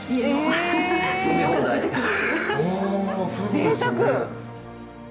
ぜいたく！